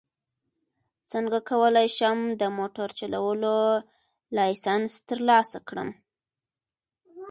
څنګه کولی شم د موټر چلولو لایسنس ترلاسه کړم